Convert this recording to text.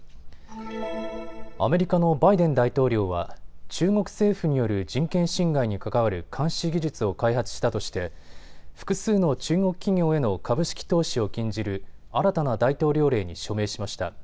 アメリカのバイデン大統領は中国政府による人権侵害に関わる監視技術を開発したとして複数の中国企業への株式投資を禁じる新たな大統領令に署名しました。